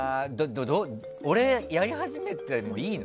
俺、やり始めてもいいの？